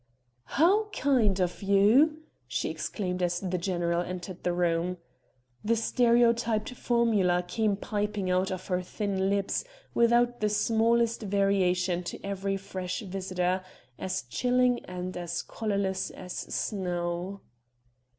"How kind of you! " she exclaimed as the general entered the room. The stereotyped formula came piping out of her thin lips without the smallest variation to every fresh visitor, as chilling and as colorless as snow.